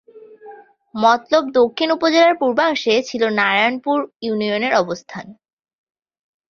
মতলব দক্ষিণ উপজেলার পূর্বাংশে ছিল নারায়ণপুর ইউনিয়নের অবস্থান।